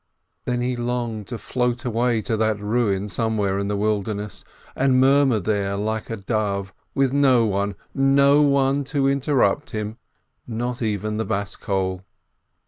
And then he longed to float away to that ruin somewhere in the wilderness, and murmur there like a dove, with no one, no one, to interrupt him, not even the Bas Kol.